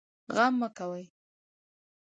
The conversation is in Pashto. غم مه کوئ